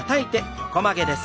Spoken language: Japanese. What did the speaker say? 横曲げです。